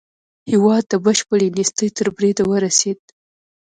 هېواد بشپړې نېستۍ تر بريده ورسېد.